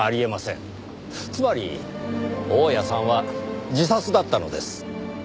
つまり大屋さんは自殺だったのです。